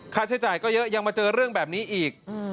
ค่าใช้จ่ายก็เยอะยังมาเจอเรื่องแบบนี้อีก